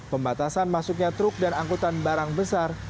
pembatasan masuknya truk dan angkutan barang besar